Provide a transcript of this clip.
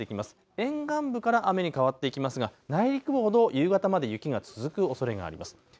沿岸部から雨に変わっていきますが内陸ほど夕方まで雪が続くおそれがあります。